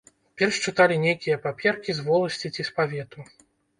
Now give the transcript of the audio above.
Перш чыталі нейкія паперкі з воласці ці з павету.